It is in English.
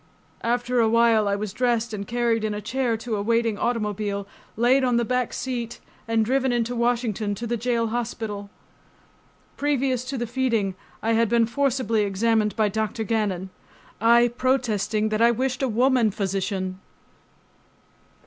After a while I was dressed and carried in a chair to a waiting automobile, laid on the back seat and driven into Washington to the jail hospital. Previous to the feeding I had been forcibly examined by Dr. Gannon, I protesting that I wished a woman physician.